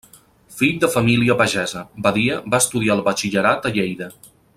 Fill de família pagesa, Badia va estudiar el batxillerat a Lleida.